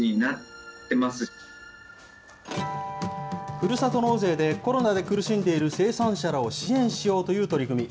ふるさと納税で、コロナで苦しんでいる生産者らを支援しようという取り組み。